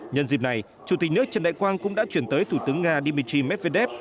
nhân dịp này chủ tịch nước trần đại quang cũng đã chuyển tới thủ tướng nga dmitry medvedev